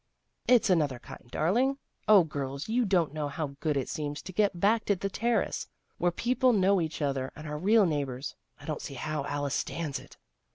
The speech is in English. " It's another kind, darling. O girls, you don't know how good it seems to get back to the Terrace, where people know each other and are real neighbors. I don't see how Alice stands it."